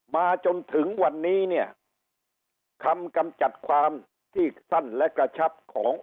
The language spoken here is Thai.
มาจนถึงวันนี้เนี่ยคำกำจัดความที่สั้นและกระชับของ